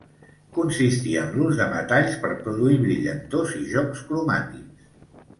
Consistia en l'ús de metalls per produir brillantors i jocs cromàtics.